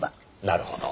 なるほど。